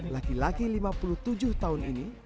laki laki lima puluh tujuh tahun ini